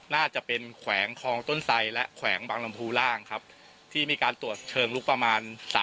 น่าจะเป็นแขวงคลองต้นไสและแขวงบางลำพูร่างครับที่มีการตรวจเชิงลุกประมาณ